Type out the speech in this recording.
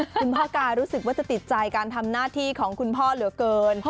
คุณพ่อการู้สึกว่าจะติดใจการทำหน้าที่ของคุณพ่อเหลือเกิน